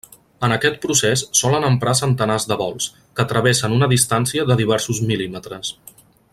En aquest procés solen emprar centenars de volts, que travessen una distància de diversos mil·límetres.